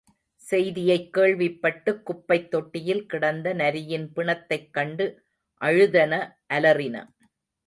செய்தியைக் கேள்விப் பட்டுக் குப்பைத் தொட்டியில் கிடந்த நரியின் பிணத்தைக் கண்டு அழுதன அலறின.